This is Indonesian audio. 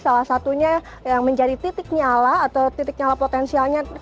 salah satunya yang menjadi titik nyala atau titik nyala potensialnya